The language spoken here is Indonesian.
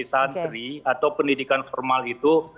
santri atau pendidikan formal itu